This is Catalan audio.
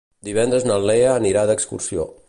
Divendres na Lea anirà d'excursió.